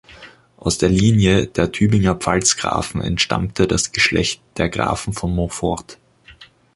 Aus der Linie der Tübinger Pfalzgrafen entstammte das Geschlecht der Grafen von Montfort.